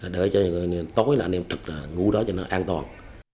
để cho tối là anh em trực ngủ đó cho nó an toàn